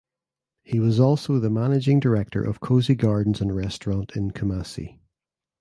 He was also the managing director of Cozy Gardens and Restaurant in Kumasi.